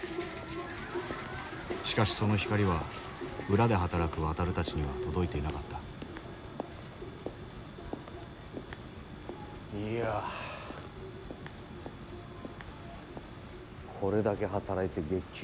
しかしその光は裏で働くワタルたちには届いていなかったいやこれだけ働いて月給９万って。